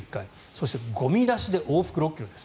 そしてゴミ出しで往復６ｋｍです。